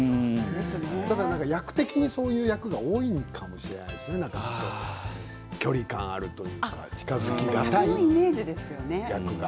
ただ、役的にそういう役が多いかもしれませんね、距離感があるとか、近づきがたい役が。